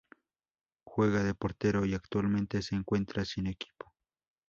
Juega de Portero y actualmente se encuentra sin equipo.